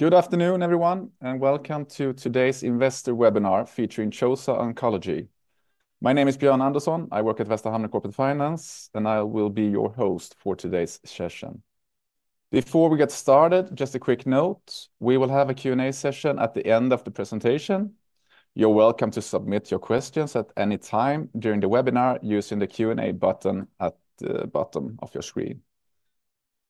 Good afternoon, everyone, and welcome to today's investor webinar featuring CHOSA Oncology. My name is Björn Andersson. I work at Västra Hamnen Corporate Finance, and I will be your host for today's session. Before we get started, just a quick note: we will have a Q&A session at the end of the presentation. You're welcome to submit your questions at any time during the webinar using the Q&A button at the bottom of your screen.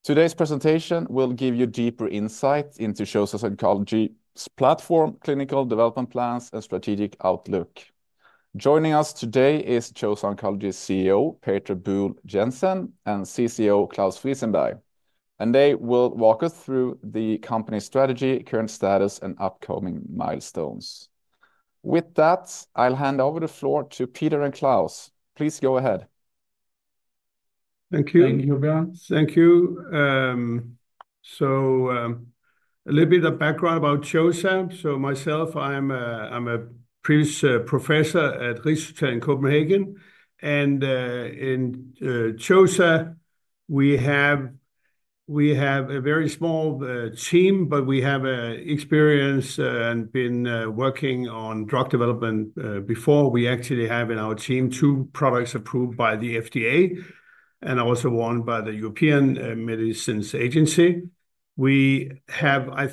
Today's presentation will give you deeper insight into CHOSA Oncology's platform, clinical development plans, and strategic outlook. Joining us today is CHOSA Oncology's CEO, Peter Buhl Jensen, and CCO, Claus Frisenberg. They will walk us through the company's strategy, current status, and upcoming milestones. With that, I'll hand over the floor to Peter and Claus. Please go ahead. Thank you. Thank you, Björn. Thank you. A little bit of background about CHOSA. Myself, I'm a previous professor at Rigshospitalet in Copenhagen. In CHOSA, we have a very small team, but we have experience and have been working on drug development before. We actually have in our team two products approved by the FDA and also one by the European Medicines Agency. I think we have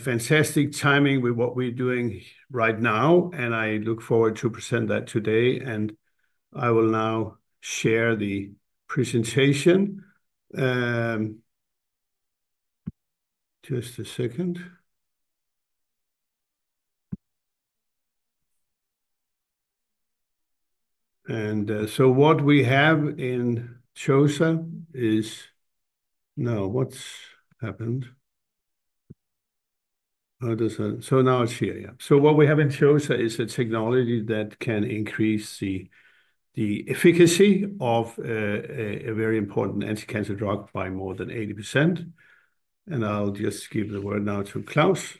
fantastic timing with what we're doing right now, and I look forward to present that today. I will now share the presentation. Just a second. What we have in CHOSA is—no, what's happened? Now it's here. Yeah. What we have in CHOSA is a technology that can increase the efficacy of a very important anti-cancer drug by more than 80%. I'll just give the word now to Claus.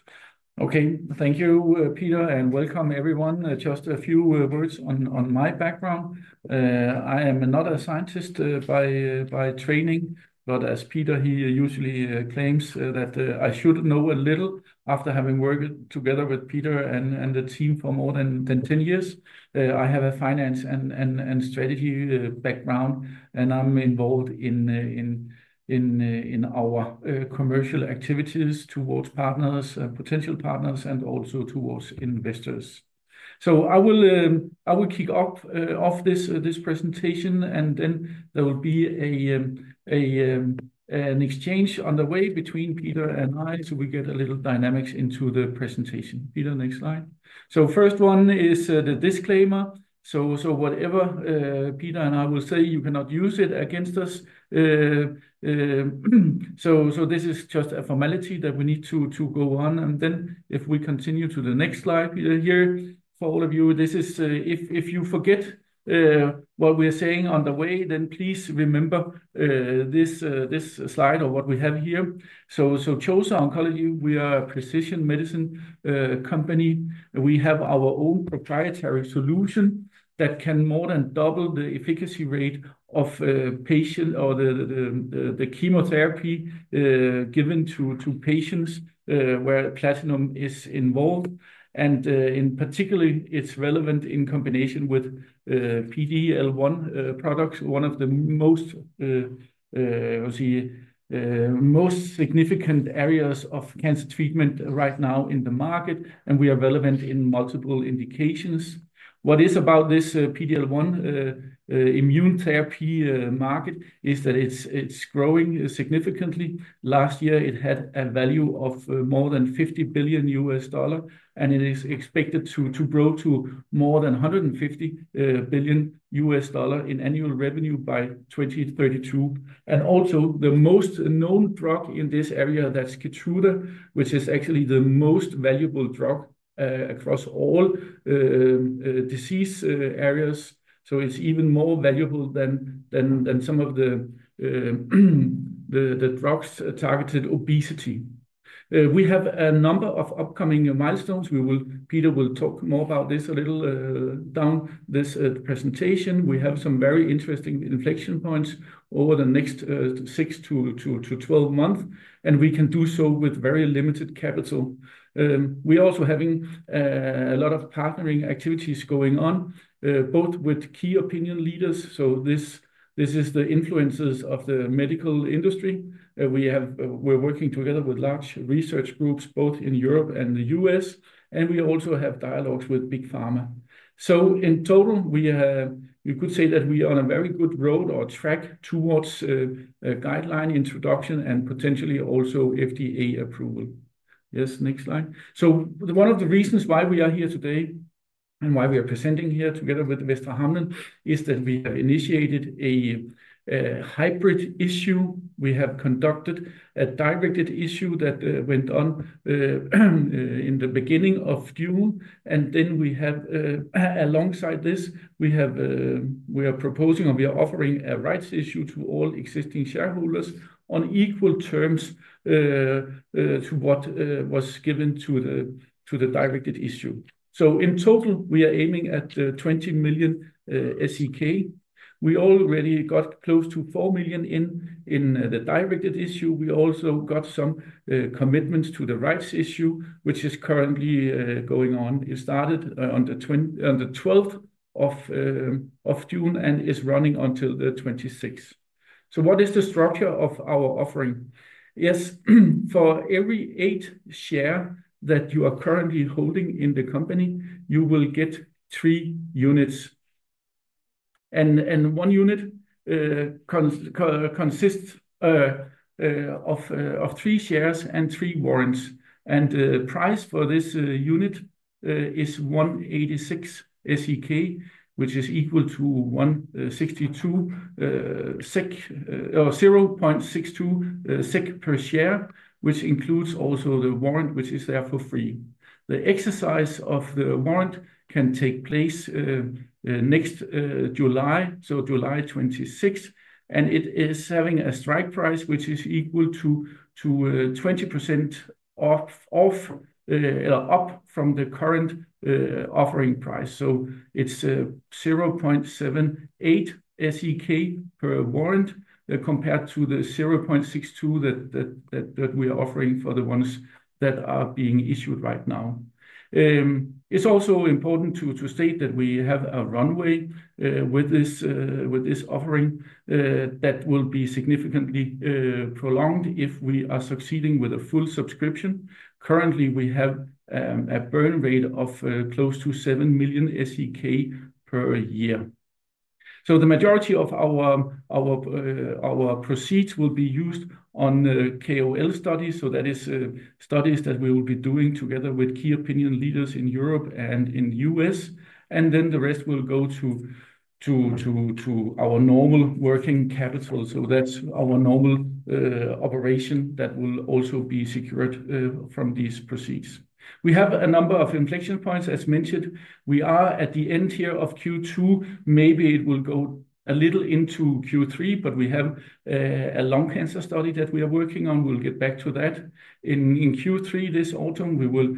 Okay, thank you, Peter, and welcome, everyone. Just a few words on my background. I am not a scientist by training, but as Peter, he usually claims that I should know a little after having worked together with Peter and the team for more than 10 years. I have a finance and strategy background, and I'm involved in our commercial activities towards partners, potential partners, and also towards investors. I will kick off this presentation, and then there will be an exchange on the way between Peter and I, so we get a little dynamics into the presentation. Peter, next slide. The first one is the disclaimer. Whatever Peter and I will say, you cannot use it against us. This is just a formality that we need to go on. If we continue to the next slide here for all of you, this is—if you forget what we are saying on the way, then please remember this slide or what we have here. CHOSA Oncology, we are a precision medicine company. We have our own proprietary solution that can more than double the efficacy rate of patient or the chemotherapy given to patients where platinum is involved. In particular, it is relevant in combination with PD-L1 products, one of the most significant areas of cancer treatment right now in the market, and we are relevant in multiple indications. What is about this PD-L1 immune therapy market is that it is growing significantly. Last year, it had a value of more than $50 billion, and it is expected to grow to more than $150 billion in annual revenue by 2032. Also, the most known drug in this area, that's Keytruda, which is actually the most valuable drug across all disease areas. It is even more valuable than some of the drugs targeted at obesity. We have a number of upcoming milestones. Peter will talk more about this a little down this presentation. We have some very interesting inflection points over the next six to 12 months, and we can do so with very limited capital. We are also having a lot of partnering activities going on, both with key opinion leaders. This is the influences of the medical industry. We are working together with large research groups, both in Europe and the U.S., and we also have dialogues with big pharma. In total, we could say that we are on a very good road or track towards guideline introduction and potentially also FDA approval. Yes, next slide. One of the reasons why we are here today and why we are presenting here together with Västra Hamnen is that we have initiated a hybrid issue. We have conducted a directed issue that went on in the beginning of June. Alongside this, we are proposing or we are offering a rights issue to all existing shareholders on equal terms to what was given to the directed issue. In total, we are aiming at 20 million SEK. We already got close to 4 million in the directed issue. We also got some commitments to the rights issue, which is currently going on. It started on the 12th of June and is running until the 26th. What is the structure of our offering? For every eight shares that you are currently holding in the company, you will get three units. One unit consists of three shares and three warrants. The price for this unit is 1.86 SEK, which is equal to 1.62 SEK or 0.62 SEK per share, which includes also the warrant, which is there for free. The exercise of the warrant can take place next July, July 26. It is having a strike price, which is equal to 20% off from the current offering price. It is 0.78 SEK per warrant compared to the 0.62 that we are offering for the ones that are being issued right now. It is also important to state that we have a runway with this offering that will be significantly prolonged if we are succeeding with a full subscription. Currently, we have a burn rate of close to 7 million SEK per year. The majority of our proceeds will be used on KOL studies. That is studies that we will be doing together with key opinion leaders in Europe and in the U.S.. The rest will go to our normal working capital. That is our normal operation that will also be secured from these proceeds. We have a number of inflection points, as mentioned. We are at the end here of Q2. Maybe it will go a little into Q3, but we have a lung cancer study that we are working on. We will get back to that. In Q3 this autumn, we will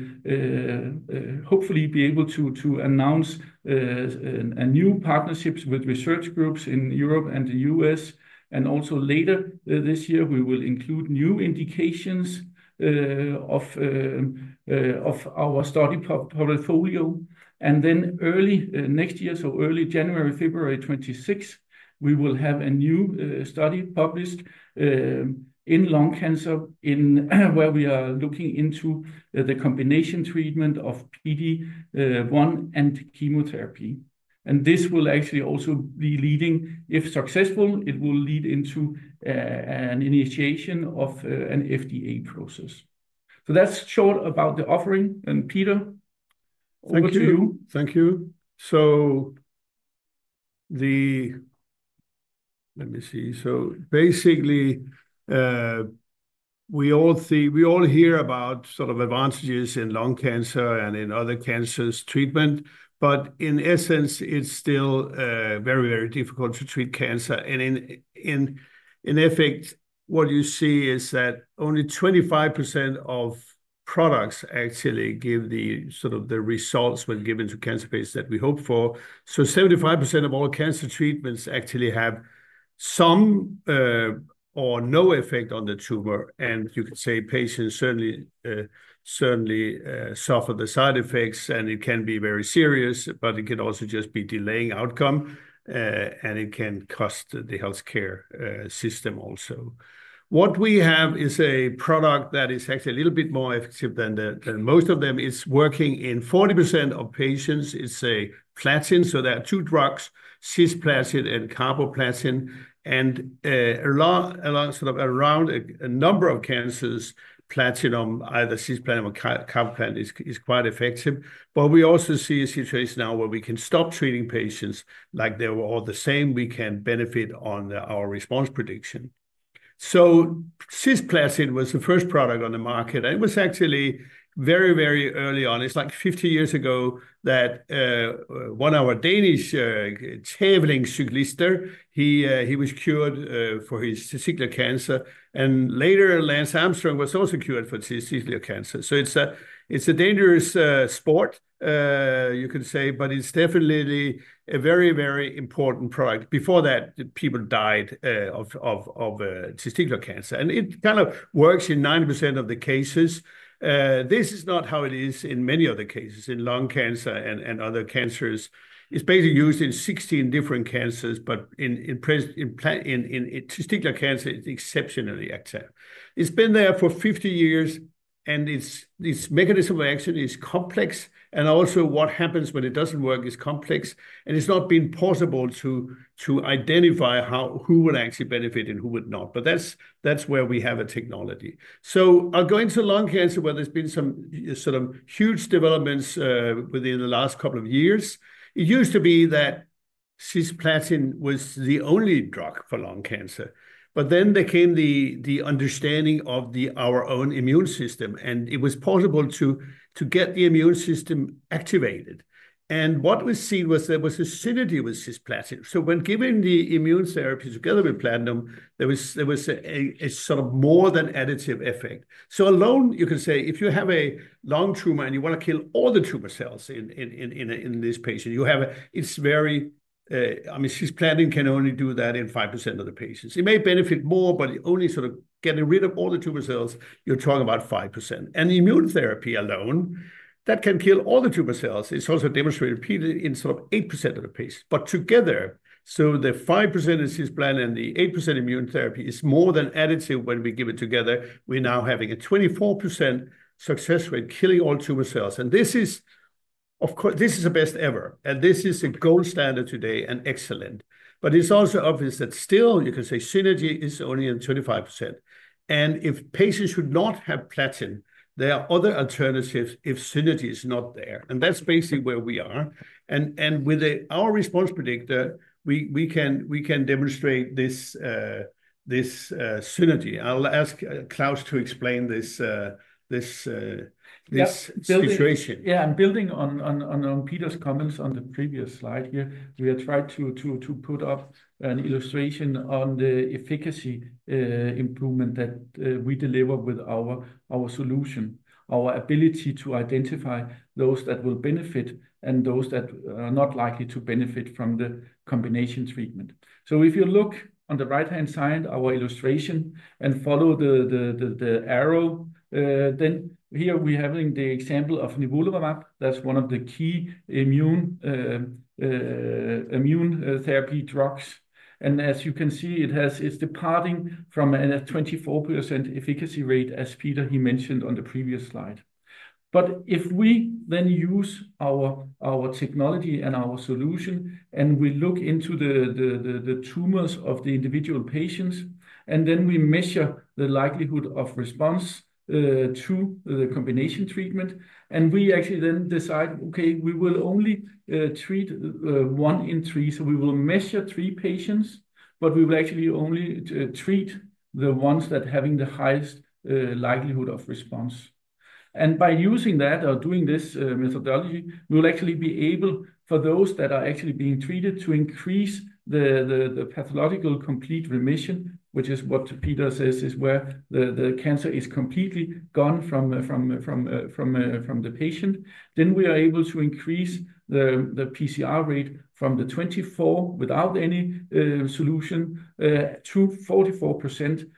hopefully be able to announce new partnerships with research groups in Europe and the U.S.. Also later this year, we will include new indications of our study portfolio. Early next year, so early January, February 26, we will have a new study published in lung cancer where we are looking into the combination treatment of PD-1 and chemotherapy. This will actually also be leading, if successful, it will lead into an initiation of an FDA process. That is short about the offering. Peter, over to you. Thank you. Let me see. Basically, we all hear about sort of advantages in lung cancer and in other cancers' treatment, but in essence, it's still very, very difficult to treat cancer. In effect, what you see is that only 25% of products actually give the sort of the results when given to cancer patients that we hope for. So 75% of all cancer treatments actually have some or no effect on the tumor. You could say patients certainly suffer the side effects, and it can be very serious, but it can also just be delaying outcome, and it can cost the healthcare system also. What we have is a product that is actually a little bit more effective than most of them. It's working in 40% of patients. It's a platinum. There are two drugs, cisplatin and carboplatin. Around a number of cancers, platinum, either cisplatin or carboplatin, is quite effective. We also see a situation now where we can stop treating patients like they were all the same. We can benefit on our response prediction. Cisplatin was the first product on the market, and it was actually very, very early on. It is like 50 years ago that one of our Danish traveling cyclists, he was cured for his testicular cancer. Later, Lance Armstrong was also cured for testicular cancer. It is a dangerous sport, you could say, but it is definitely a very, very important product. Before that, people died of testicular cancer. It kind of works in 90% of the cases. This is not how it is in many other cases, in lung cancer and other cancers. It's basically used in 16 different cancers, but in testicular cancer, it's exceptionally active. It's been there for 50 years, and its mechanism of action is complex. Also, what happens when it doesn't work is complex. It's not been possible to identify who would actually benefit and who would not. That's where we have a technology. Going to lung cancer, where there's been some sort of huge developments within the last couple of years, it used to be that cisplatin was the only drug for lung cancer. There came the understanding of our own immune system, and it was possible to get the immune system activated. What we see was there was a synergy with cisplatin. When given the immune therapy together with platinum, there was a sort of more than additive effect. Alone, you could say if you have a lung tumor and you want to kill all the tumor cells in this patient, it's very—I mean, cisplatin can only do that in 5% of the patients. It may benefit more, but only sort of getting rid of all the tumor cells, you're talking about 5%. And immune therapy alone, that can kill all the tumor cells. It's also demonstrated in sort of 8% of the patients. Together, so the 5% of cisplatin and the 8% immune therapy is more than additive when we give it together. We're now having a 24% success rate killing all tumor cells. This is, of course, the best ever. This is the gold standard today and excellent. It's also obvious that still, you could say synergy is only in 25%. If patients should not have platinum, there are other alternatives if synergy is not there. That is basically where we are. With our response predictor, we can demonstrate this synergy. I'll ask Claus to explain this situation. Yeah, I'm building on Peter's comments on the previous slide here. We have tried to put up an illustration on the efficacy improvement that we deliver with our solution, our ability to identify those that will benefit and those that are not likely to benefit from the combination treatment. If you look on the right-hand side, our illustration, and follow the arrow, here we are having the example of Nivolumab. That's one of the key immune therapy drugs. As you can see, it's departing from a 24% efficacy rate, as Peter mentioned on the previous slide. If we then use our technology and our solution, and we look into the tumors of the individual patients, and then we measure the likelihood of response to the combination treatment, we actually then decide, okay, we will only treat one in three. We will measure three patients, but we will actually only treat the ones that are having the highest likelihood of response. By using that or doing this methodology, we will actually be able, for those that are actually being treated, to increase the pathological complete remission, which is what Peter says, is where the cancer is completely gone from the patient. We are able to increase the pCR rate from the 24% without any solution to 44%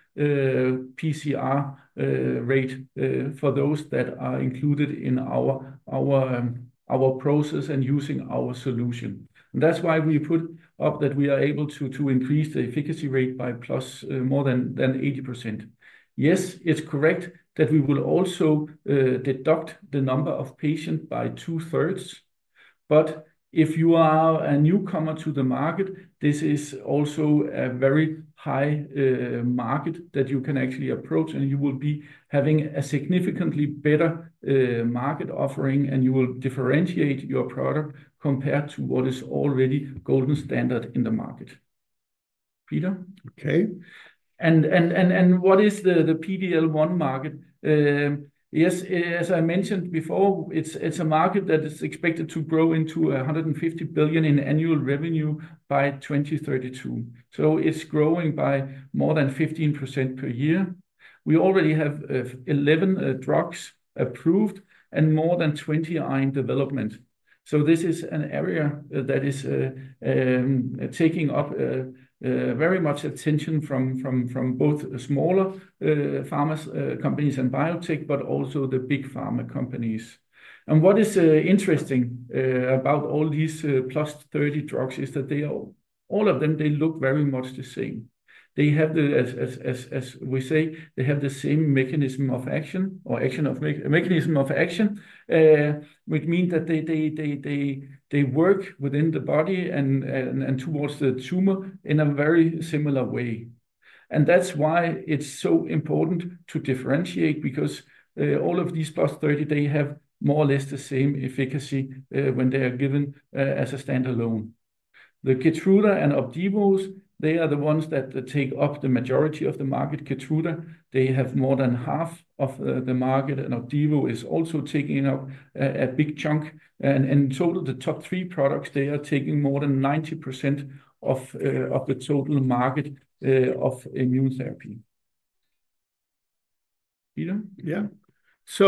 pCR rate for those that are included in our process and using our solution. That is why we put up that we are able to increase the efficacy rate by plus more than 80%. Yes, it is correct that we will also deduct the number of patients by two-thirds. If you are a newcomer to the market, this is also a very high market that you can actually approach, and you will be having a significantly better market offering, and you will differentiate your product compared to what is already golden standard in the market. Peter? Okay. What is the PD-1 market? Yes, as I mentioned before, it is a market that is expected to grow into $150 billion in annual revenue by 2032. It is growing by more than 15% per year. We already have 11 drugs approved and more than 20 are in development. This is an area that is taking up very much attention from both smaller pharma companies and biotech, but also the big pharma companies. What is interesting about all these plus 30 drugs is that all of them, they look very much the same. They have, as we say, they have the same mechanism of action or mechanism of action, which means that they work within the body and towards the tumor in a very similar way. That is why it is so important to differentiate because all of these plus 30, they have more or less the same efficacy when they are given as a standalone. Keytruda and Opdivo, they are the ones that take up the majority of the market. Keytruda, they have more than half of the market, and Opdivo is also taking up a big chunk. In total, the top three products, they are taking more than 90% of the total market of immune therapy. Peter? Yeah. This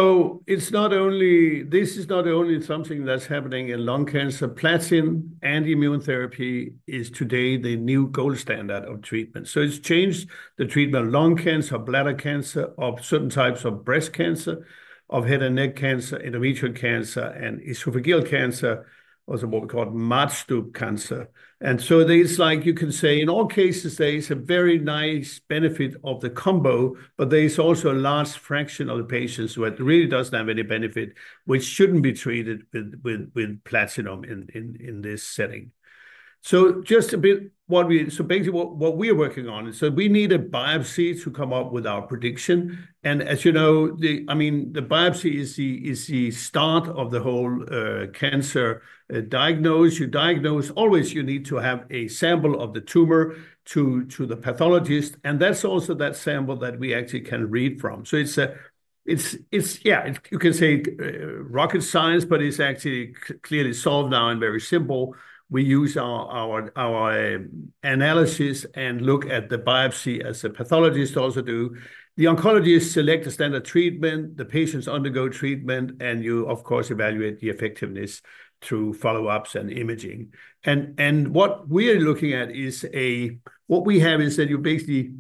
is not only something that's happening in lung cancer. Platinum and immune therapy is today the new gold standard of treatment. It's changed the treatment of lung cancer, bladder cancer, certain types of breast cancer, head and neck cancer, endometrial cancer, and esophageal cancer, also what we call MADSTOP cancer. It's like you can say, in all cases, there is a very nice benefit of the combo, but there is also a large fraction of the patients who really don't have any benefit, which shouldn't be treated with platinum in this setting. Just a bit what we, basically what we are working on is that we need a biopsy to come up with our prediction. As you know, I mean, the biopsy is the start of the whole cancer diagnose. You diagnose always, you need to have a sample of the tumor to the pathologist. That is also that sample that we actually can read from. It is, yeah, you can say rocket science, but it is actually clearly solved now and very simple. We use our analysis and look at the biopsy as the pathologist also do. The oncologist selects a standard treatment. The patients undergo treatment, and you, of course, evaluate the effectiveness through follow-ups and imaging. What we are looking at is what we have is that you basically,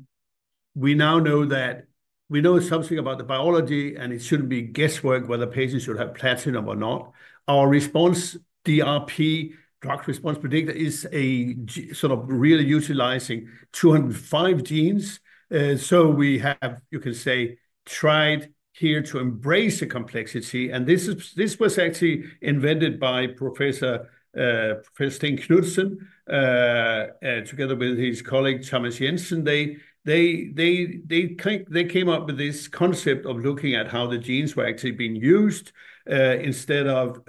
we now know that we know something about the biology, and it should not be guesswork whether patients should have platinum or not. Our response DRP, drug response predictor, is a sort of really utilizing 205 genes. We have, you can say, tried here to embrace the complexity. This was actually invented by Professor Steen Knudsen together with his colleague Thomas Jensen. They came up with this concept of looking at how the genes were actually being used instead of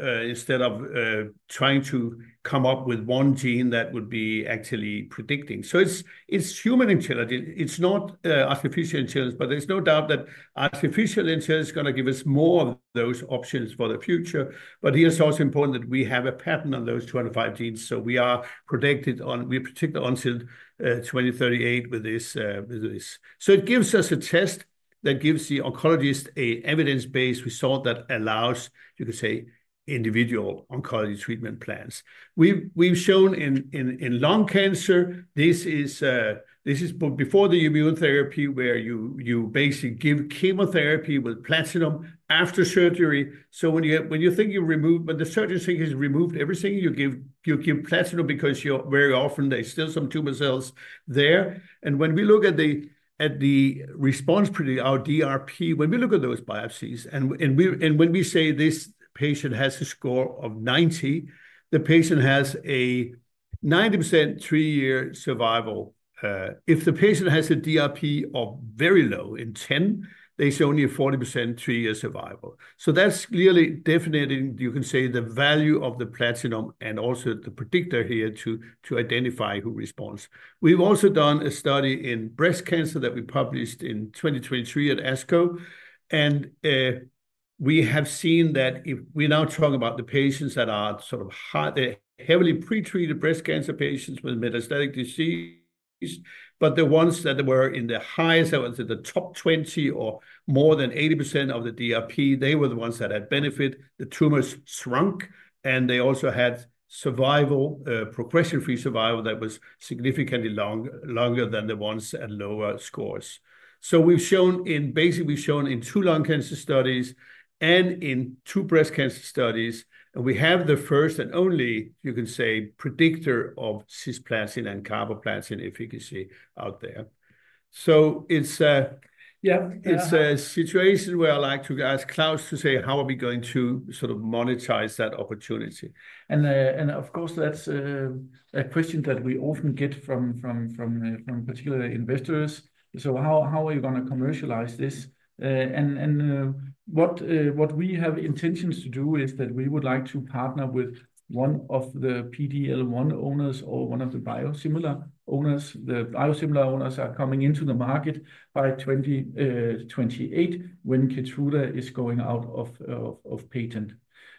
trying to come up with one gene that would be actually predicting. It is human intelligence. It is not artificial intelligence, but there is no doubt that artificial intelligence is going to give us more of those options for the future. It is also important that we have a pattern on those 205 genes. We are protected until 2038 with this. It gives us a test that gives the oncologist an evidence-based result that allows, you could say, individual oncology treatment plans. We have shown in lung cancer, this is before the immune therapy where you basically give chemotherapy with platinum after surgery. When you think you've removed, when the surgeon thinks you've removed everything, you give platinum because very often there's still some tumor cells there. When we look at the response predictor, our DRP, when we look at those biopsies, and when we say this patient has a score of 90, the patient has a 90% three-year survival. If the patient has a DRP of very low in 10, they show only a 40% three-year survival. That's clearly defining, you can say, the value of the platinum and also the predictor here to identify who responds. We've also done a study in breast cancer that we published in 2023 at ASCO. We have seen that we're now talking about the patients that are sort of heavily pretreated breast cancer patients with metastatic disease. The ones that were in the highest levels, in the top 20 or more than 80% of the DRP, they were the ones that had benefit. The tumors shrunk, and they also had progression-free survival that was significantly longer than the ones at lower scores. We've shown in basically, we've shown in two lung cancer studies and in two breast cancer studies, and we have the first and only, you can say, predictor of cisplatin and carboplatin efficacy out there. It's a situation where I'd like to ask Claus to say, how are we going to sort of monetize that opportunity? Of course, that's a question that we often get from particular investors. How are you going to commercialize this? What we have intentions to do is that we would like to partner with one of the PD-1 owners or one of the biosimilar owners. The biosimilar owners are coming into the market by 2028 when Keytruda is going out of patent.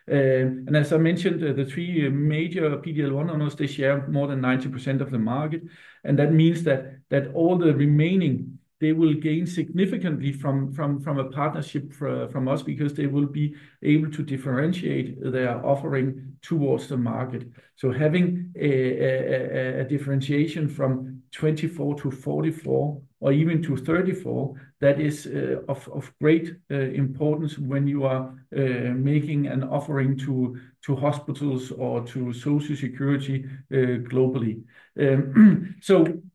As I mentioned, the three major PD-1 owners share more than 90% of the market. That means that all the remaining, they will gain significantly from a partnership from us because they will be able to differentiate their offering towards the market. Having a differentiation from 24% to 44% or even to 34% is of great importance when you are making an offering to hospitals or to social security globally.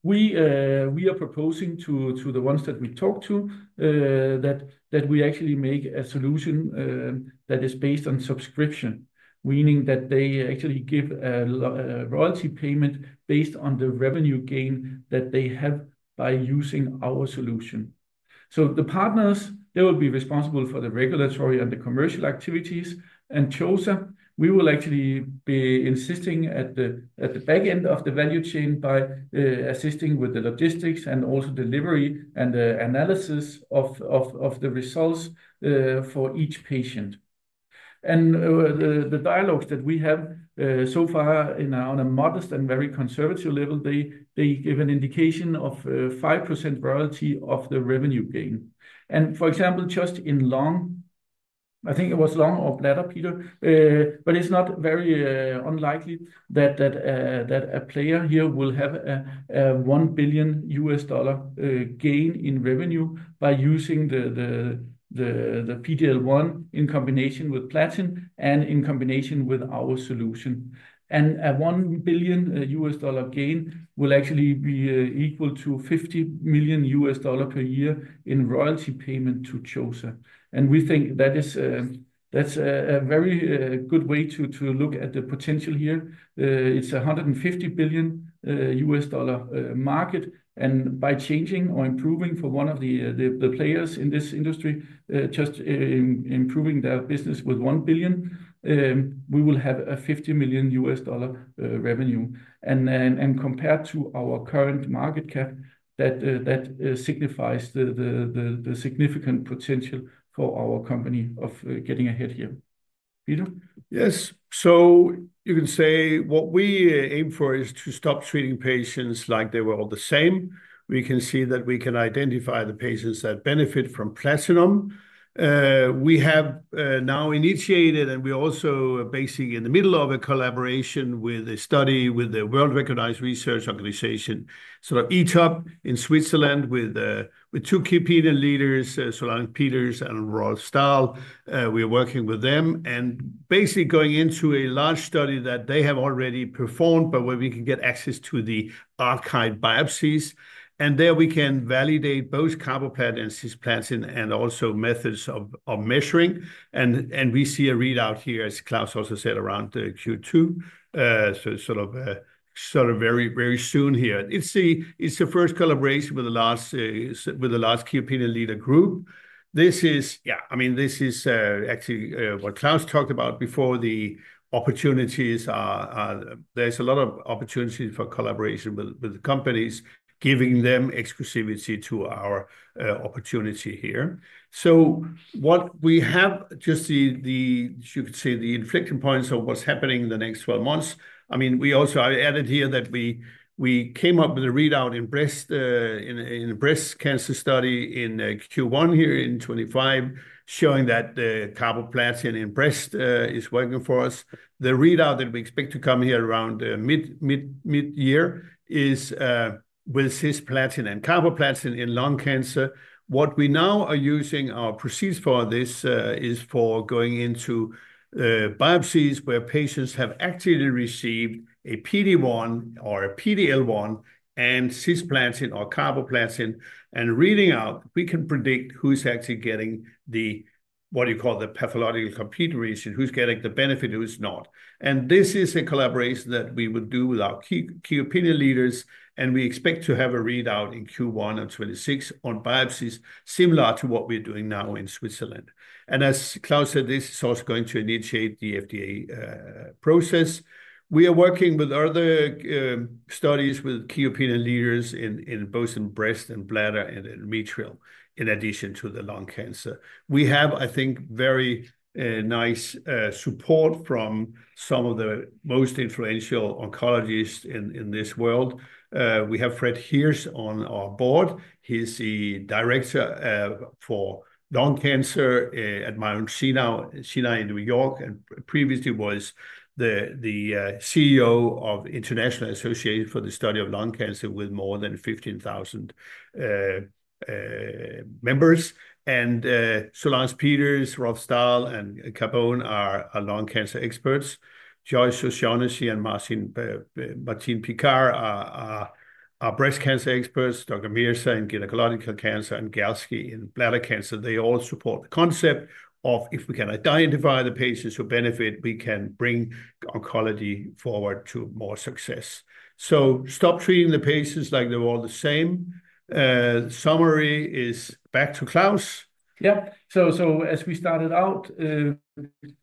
We are proposing to the ones that we talk to that we actually make a solution that is based on subscription, meaning that they actually give a royalty payment based on the revenue gain that they have by using our solution. The partners, they will be responsible for the regulatory and the commercial activities. CHOSA, we will actually be insisting at the back end of the value chain by assisting with the logistics and also delivery and analysis of the results for each patient. The dialogues that we have so far on a modest and very conservative level, they give an indication of 5% royalty of the revenue gain. For example, just in lung, I think it was lung or bladder, Peter, but it is not very unlikely that a player here will have a $1 billion gain in revenue by using the PD-1 in combination with platinum and in combination with our solution. A $1 billion gain will actually be equal to $50 million per year in royalty payment to CHOSA. We think that is a very good way to look at the potential here. It is a $150 billion market. By changing or improving for one of the players in this industry, just improving their business with $1 billion, we will have a $50 million revenue. Compared to our current market cap, that signifies the significant potential for our company of getting ahead here. Peter? Yes. You can say what we aim for is to stop treating patients like they were all the same. We can see that we can identify the patients that benefit from platinum. We have now initiated, and we're also basically in the middle of a collaboration with a study with a world-recognized research organization, ETOP in Switzerland, with two key opinion leaders, Solange Peters and Rolf Stahel. We are working with them and basically going into a large study that they have already performed, but where we can get access to the archived biopsies. There we can validate both carboplatin and cisplatin and also methods of measuring. We see a readout here, as Claus also said, around Q2, very soon here. It's the first collaboration with the large key opinion leader group. This is, yeah, I mean, this is actually what Claus talked about before. The opportunities are, there's a lot of opportunities for collaboration with companies, giving them exclusivity to our opportunity here. So what we have, just you could say the inflection points of what's happening in the next 12 months. I mean, we also added here that we came up with a readout in breast cancer study in Q1 here in 2025, showing that carboplatin in breast is working for us. The readout that we expect to come here around mid-year is with cisplatin and carboplatin in lung cancer. What we now are using our procedures for is for going into biopsies where patients have actually received a PD-1 or a PD-1 and cisplatin or carboplatin and reading out, we can predict who's actually getting the, what you call the pathological complete remission, who's getting the benefit, who's not. This is a collaboration that we would do with our key opinion leaders, and we expect to have a readout in Q1 of 2026 on biopsies similar to what we're doing now in Switzerland. As Claus said, this is also going to initiate the FDA process. We are working with other studies with key opinion leaders in both breast and bladder and endometrial in addition to the lung cancer. We have, I think, very nice support from some of the most influential oncologists in this world. We have Fred Hirsch on our board. He's the director for lung cancer at Mount Sinai in New York and previously was the CEO of International Association for the Study of Lung Cancer with more than 15,000 members. Solange Peters, Rolf Stahel, and Giuseppe Curigliano are lung cancer experts. Josh Sosman and Martine Piccart are breast cancer experts, Dr. Mirza in gynecological cancer, and Galsky in bladder cancer. They all support the concept of if we can identify the patients who benefit, we can bring oncology forward to more success. Stop treating the patients like they're all the same. Summary is back to Claus. Yeah. As we started out,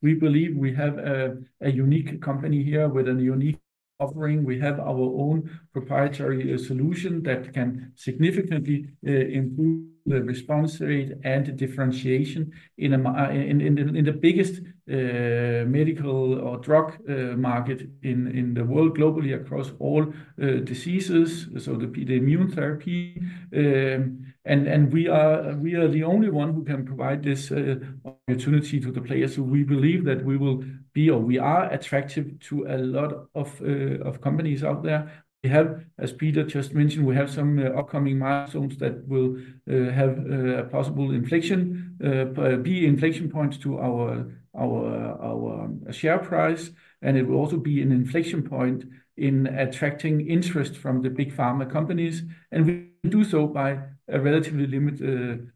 we believe we have a unique company here with a unique offering. We have our own proprietary solution that can significantly improve the response rate and differentiation in the biggest medical or drug market in the world globally across all diseases, so the immune therapy. We are the only one who can provide this opportunity to the players who we believe that we will be or we are attractive to a lot of companies out there. We have, as Peter just mentioned, some upcoming milestones that will have a possible inflection, be inflection points to our share price. It will also be an inflection point in attracting interest from the big pharma companies. We do so by a relatively limited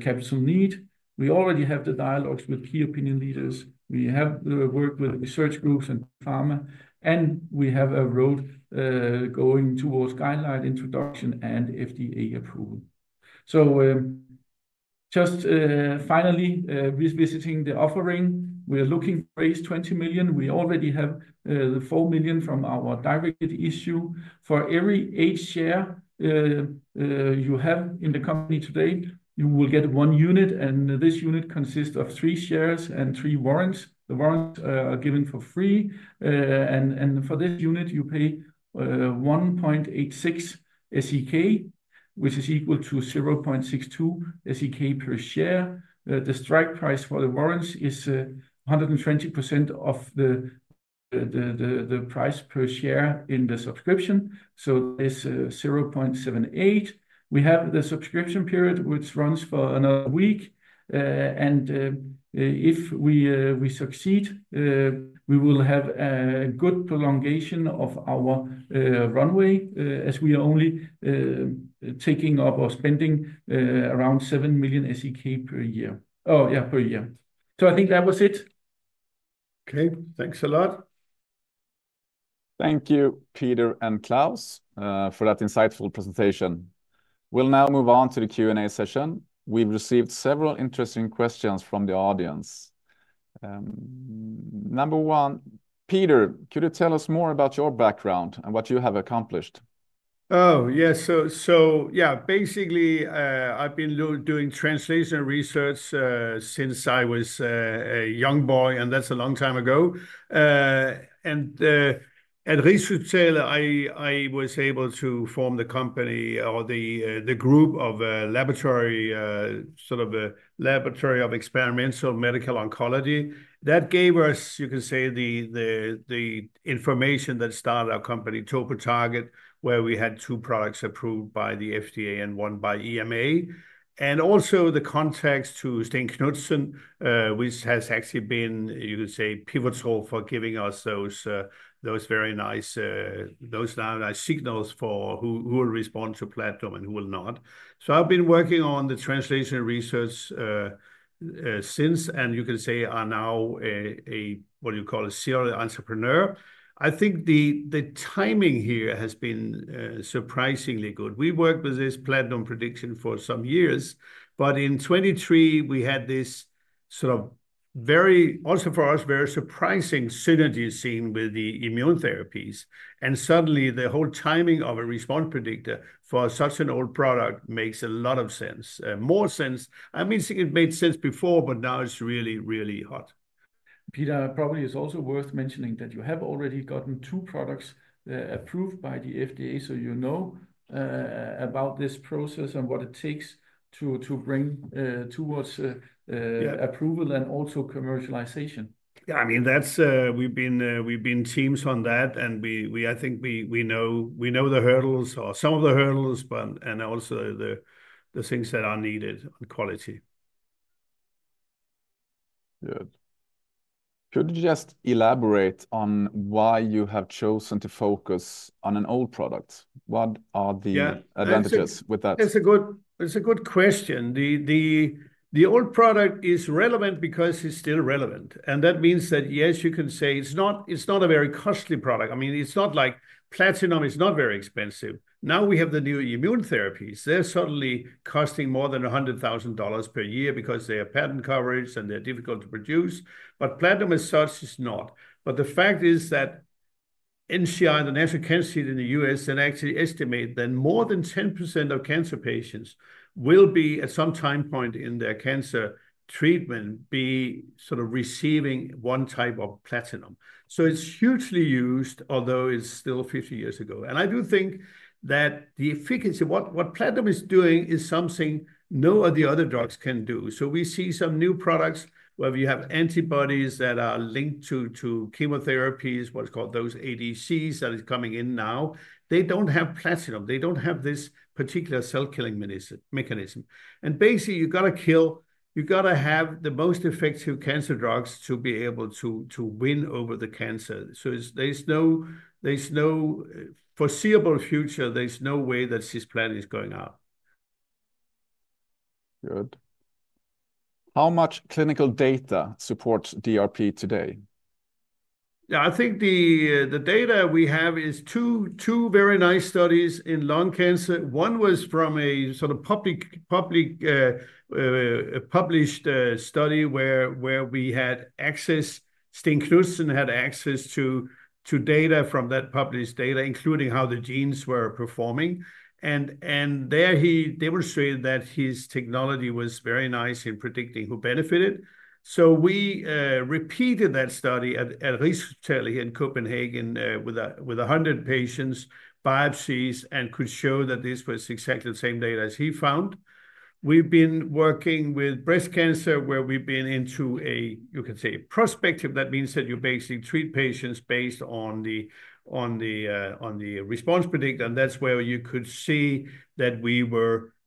capital need. We already have the dialogues with key opinion leaders. We have worked with research groups and pharma. We have a road going towards guideline introduction and FDA approval. Just finally, revisiting the offering, we are looking to raise 20 million. We already have the 4 million from our direct issue. For every eight shares you have in the company today, you will get one unit. This unit consists of three shares and three warrants. The warrants are given for free. For this unit, you pay 1.86 SEK, which is equal to 0.62 SEK per share. The strike price for the warrants is 120% of the price per share in the subscription, so it is 0.78. We have the subscription period, which runs for another week. If we succeed, we will have a good prolongation of our runway as we are only taking up or spending around 7 million SEK per year. Oh yeah, per year. I think that was it. Okay. Thanks a lot. Thank you, Peter and Claus, for that insightful presentation. We'll now move on to the Q&A session. We've received several interesting questions from the audience. Number one, Peter, could you tell us more about your background and what you have accomplished? Oh, yes. So yeah, basically, I've been doing translational research since I was a young boy, and that's a long time ago. At Rigshospitalet, I was able to form the company or the group of a laboratory, sort of a laboratory of experiments of medical oncology. That gave us, you can say, the information that started our company, TopoTarget, where we had two products approved by the FDA and one by EMA. Also the contact to Steen Knudsen, which has actually been, you can say, pivotal for giving us those very nice signals for who will respond to platinum and who will not. I've been working on the translational research since, and you can say I'm now what you call a serial entrepreneur. I think the timing here has been surprisingly good. We worked with this platinum prediction for some years, but in 2023, we had this sort of very, also for us, very surprising synergy seen with the immune therapies. Suddenly, the whole timing of a response predictor for such an old product makes a lot of sense, more sense. I mean, it made sense before, but now it's really, really hot. Peter, probably it's also worth mentioning that you have already gotten two products approved by the FDA, so you know about this process and what it takes to bring towards approval and also commercialization. Yeah, I mean, we've been teams on that, and I think we know the hurdles or some of the hurdles, and also the things that are needed on quality. Good. Could you just elaborate on why you have chosen to focus on an old product? What are the advantages with that? That's a good question. The old product is relevant because it's still relevant. That means that, yes, you can say it's not a very costly product. I mean, it's not like platinum is not very expensive. Now we have the new immune therapies. They're suddenly costing more than $100,000 per year because they have patent coverage and they're difficult to produce. Platinum as such is not. The fact is that NCI, the National Cancer Institute in the us, can actually estimate that more than 10% of cancer patients will be at some time point in their cancer treatment be sort of receiving one type of platinum. It's hugely used, although it's still 50 years ago. I do think that the efficacy, what platinum is doing is something no other drugs can do. We see some new products where you have antibodies that are linked to chemotherapies, what's called those ADCs that are coming in now. They do not have platinum. They do not have this particular cell-killing mechanism. Basically, you have to kill, you have to have the most effective cancer drugs to be able to win over the cancer. There is no foreseeable future. There is no way that cisplatin is going up. Good. How much clinical data supports DRP today? Yeah, I think the data we have is two very nice studies in lung cancer. One was from a sort of public published study where we had access, Steen Knudsen had access to data from that published data, including how the genes were performing. There he demonstrated that his technology was very nice in predicting who benefited. We repeated that study at Rigshospitalet, here in Copenhagen, with 100 patients, biopsies, and could show that this was exactly the same data as he found. We've been working with breast cancer where we've been into a, you can say, prospective. That means that you basically treat patients based on the response predictor. That's where you could see that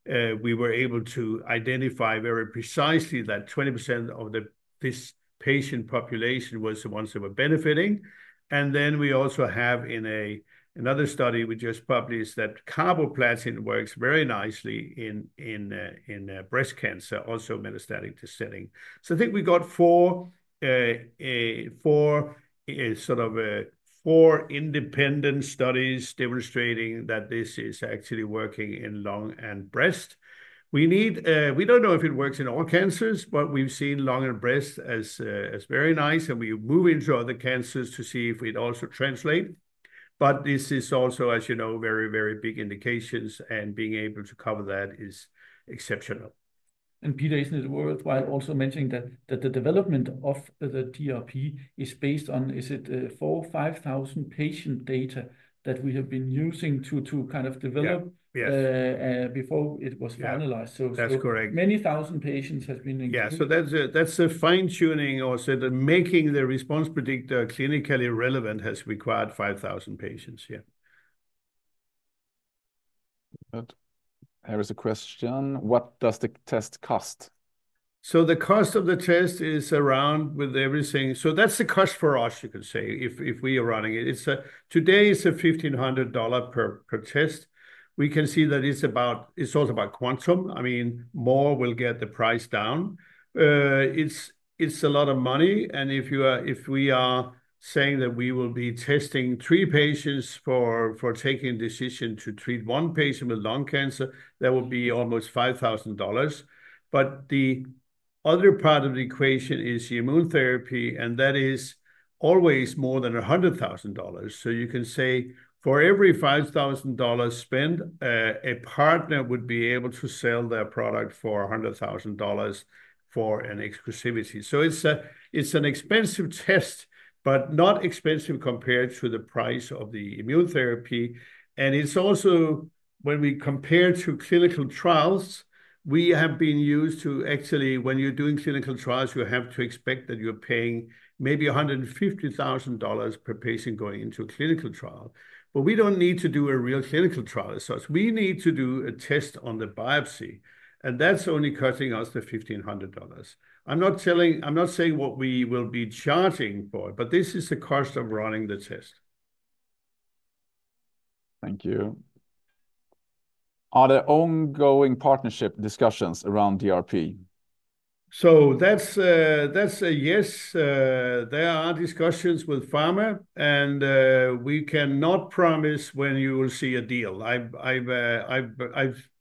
we were able to identify very precisely that 20% of this patient population was the ones that were benefiting. We also have in another study we just published that carboplatin works very nicely in breast cancer, also metastatic to setting. I think we got four sort of independent studies demonstrating that this is actually working in lung and breast. We do not know if it works in all cancers, but we have seen lung and breast as very nice. We move into other cancers to see if it also translates. This is also, as you know, very, very big indications, and being able to cover that is exceptional. Peter, isn't it worthwhile also mentioning that the development of the DRP is based on, is it 4,000-5,000 patient data that we have been using to kind of develop before it was finalized? Yes, that's correct. So many thousand patients have been included. Yeah, so that's the fine-tuning or making the response predictor clinically relevant has required 5,000 patients, yeah. Good. Here is a question. What does the test cost? The cost of the test is around, with everything. That's the cost for us, you can say, if we are running it. Today, it's a $1,500 per test. We can see that it's also about quantum. I mean, more will get the price down. It's a lot of money. If we are saying that we will be testing three patients for taking a decision to treat one patient with lung cancer, that would be almost $5,000. The other part of the equation is immune therapy, and that is always more than $100,000. You can say for every $5,000 spent, a partner would be able to sell their product for $100,000 for an exclusivity. It's an expensive test, but not expensive compared to the price of the immune therapy. When we compare to clinical trials, we have been used to actually, when you're doing clinical trials, you have to expect that you're paying maybe $150,000 per patient going into a clinical trial. We do not need to do a real clinical trial as such. We need to do a test on the biopsy. That is only costing us $1,500. I'm not saying what we will be charging for, but this is the cost of running the test. Thank you. Are there ongoing partnership discussions around DRP? That is a yes. There are discussions with pharma, and we cannot promise when you will see a deal. I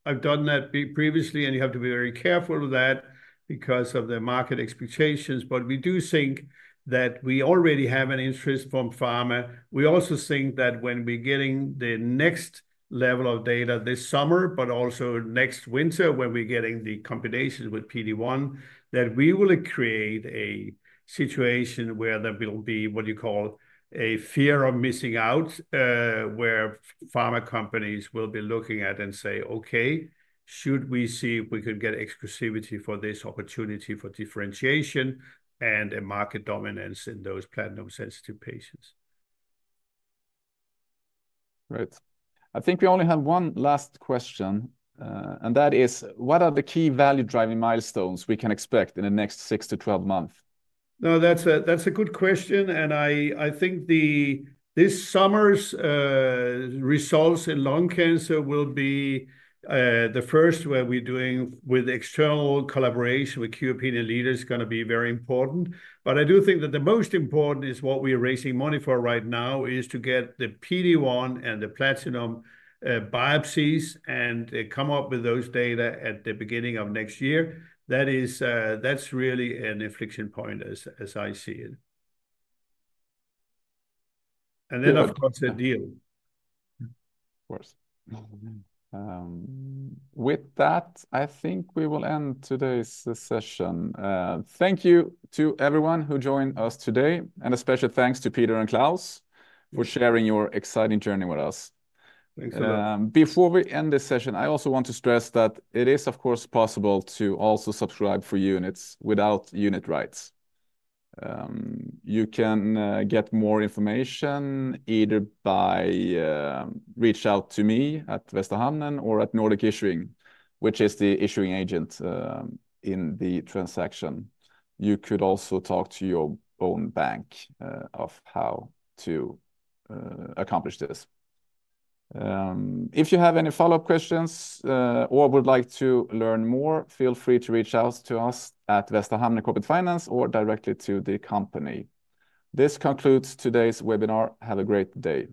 have done that previously, and you have to be very careful of that because of the market expectations. We do think that we already have an interest from pharma. We also think that when we are getting the next level of data this summer, but also next winter, when we are getting the combination with PD-1, that we will create a situation where there will be what you call a fear of missing out, where pharma companies will be looking at it and say, "Okay, should we see if we could get exclusivity for this opportunity for differentiation and a market dominance in those platinum-sensitive patients? Great. I think we only have one last question, and that is, what are the key value-driving milestones we can expect in the next six to 12 months? No, that's a good question. I think this summer's results in lung cancer will be the first where we're doing with external collaboration with key opinion leaders is going to be very important. I do think that the most important is what we are raising money for right now is to get the PD-1 and the platinum biopsies and come up with those data at the beginning of next year. That's really an inflection point as I see it. Of course, a deal. Of course. With that, I think we will end today's session. Thank you to everyone who joined us today, and a special thanks to Peter and Claus for sharing your exciting journey with us. Thanks a lot. Before we end this session, I also want to stress that it is, of course, possible to also subscribe for units without unit rights. You can get more information either by reaching out to me at Västra Hamnen or at Nordic Issuing, which is the issuing agent in the transaction. You could also talk to your own bank of how to accomplish this. If you have any follow-up questions or would like to learn more, feel free to reach out to us at Västra Hamnen Corporate Finance or directly to the company. This concludes today's webinar. Have a great day.